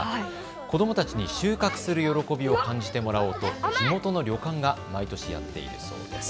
子どもたちに収穫する喜びを感じてもらおうと地元の旅館が毎年、やっているそうです。